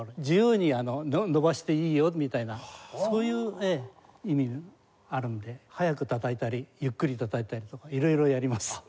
自由に伸ばしていいよみたいなそういう意味があるんで速くたたいたりゆっくりたたいたりとか色々やります。